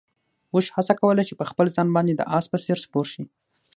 اوښ هڅه کوله چې په خپل ځان باندې د اس په څېر سپور شي.